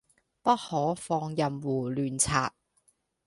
不可放任胡亂刷